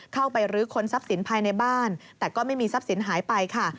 เข้าไปรื้อค้นทรัพย์สินภายในบ้านแต่ก็ไม่มีทรัพย์สินหายไปค่ะ